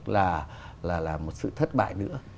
là một sự thất bại nữa